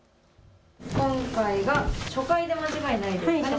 今回が初回で間違いないですか。